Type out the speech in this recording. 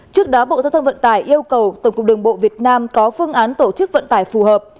trước đó bộ giao thông vận tải yêu cầu tổng cục đường bộ việt nam có phương án tổ chức vận tải phù hợp